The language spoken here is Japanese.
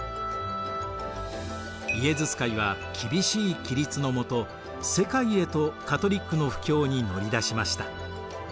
イエズス会は厳しい規律のもと世界へとカトリックの布教に乗り出しました。